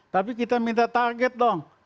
tapi kita minta target dong